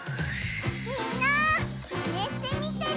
みんなマネしてみてね！